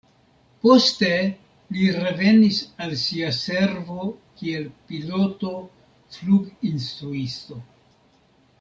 Poste li revenis al sia servo kiel piloto-fluginstruisto.